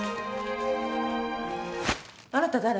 あなた誰？